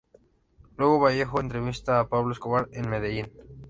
Luego Vallejo entrevista a Pablo Escobar en Medellín.